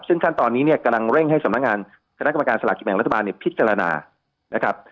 ซึ่งขั้นตอนนี้เนี่ยกำลังเร่งให้สำนักงานคณะกรรมการสลากกินแบ่งรัฐบาลเนี่ยพิจารณานะครับ